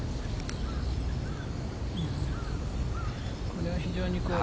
これは非常に。